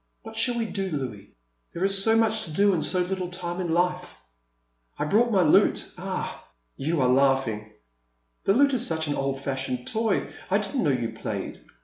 What shall we do, Louis — there is so much to do and so little time in life !— I brought my lute — ah ! you are laughing !The lute is such an old fashioned toy; I didn't know you played.